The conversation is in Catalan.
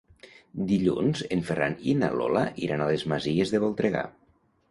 Dilluns en Ferran i na Lola iran a les Masies de Voltregà.